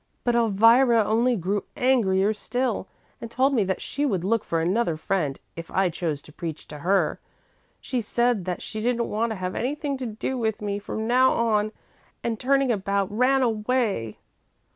But Elvira only grew angrier still and told me that she would look for another friend, if I chose to preach to her. She said that she didn't want to have anything to do with me from now on and, turning about, ran away."